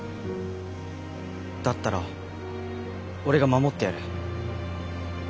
だったら俺が守ってやる。